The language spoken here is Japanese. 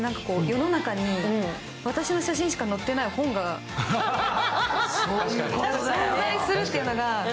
世の中に私の写真しか載ってない本が存在するというのが。